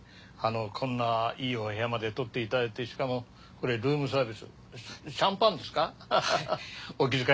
こんないいお部屋までとっていただいてしかもこれルームサービスシャンパンですか？